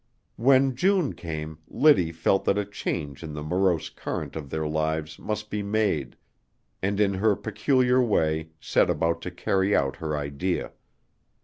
When June came Liddy felt that a change in the morose current of their lives must be made, and in her peculiar way set about to carry out her idea.